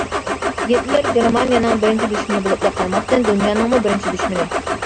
گىتلېر گېرمانىيەنىڭ بىرىنچى دۈشمىنى بولۇپلا قالماستىن، دۇنيانىڭمۇ بىرىنچى دۈشمىنى.